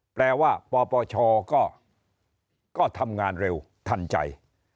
แปลว่าปปชก็ทำงานเร็วทันใจ